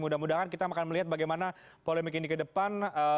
mudah mudahan kita akan melihat bagaimana polemik ini ke depan